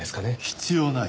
必要ない。